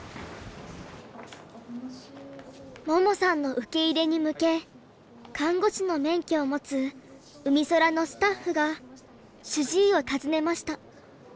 桃さんの受け入れに向け看護師の免許を持つうみそらのスタッフが主治医を訪ねました。